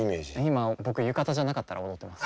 今僕浴衣じゃなかったら踊ってます。